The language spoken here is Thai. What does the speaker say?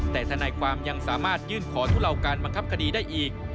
แต่ทนายความยังสามารถยื่นขอทุเลาการบังคับคดีได้อีก